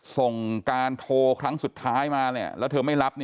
ส่งการโทรครั้งสุดท้ายมาแล้วเธอไม่รับ